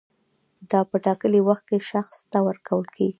دا په ټاکلي وخت کې شخص ته ورکول کیږي.